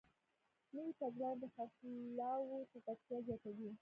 نوې تګلارې د خرڅلاو چټکتیا زیاتوي.